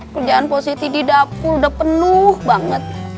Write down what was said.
kerjaan positif di dapur udah penuh banget